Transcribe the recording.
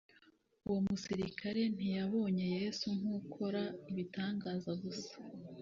Uwo musirikari, ntiyabonye Yesu nk'ukora ibitangaza gusa,